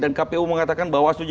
dan kpu mengatakan bahwa